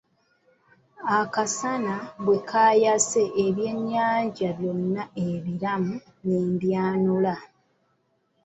Akasana bwe kaayase ebyennyanja byonna ebiramu ne byanula.